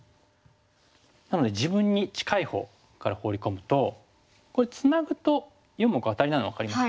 なので自分に近いほうからホウリ込むとこれツナぐと４目アタリなの分かりますかね。